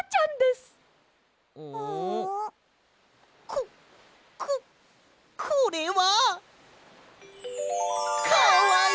こここれは！かわいい！